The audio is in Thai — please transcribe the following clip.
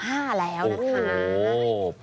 โอ้โฮปีที่๑๕แล้วเหรอ